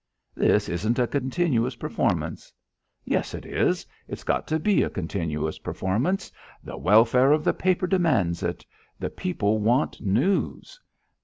"This isn't a continuous performance." "Yes, it is; it's got to be a continuous performance. The welfare of the paper demands it. The people want news."